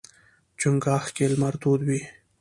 چنګاښ کې لمر تود وي.